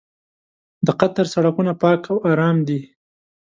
د قطر سړکونه پاک او ارام دي.